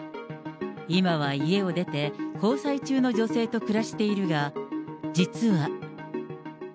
今は家を出て、交際中の女性と暮らしているが、実は。